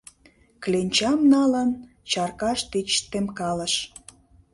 Кленчам налын, чаркаш тич темкалыш.